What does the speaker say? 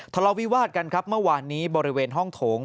ทะเลาวิวาสกันครับเมื่อวานนี้บริเวณห้องโถง